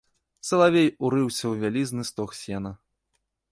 Салавей урыўся ў вялізны стог сена.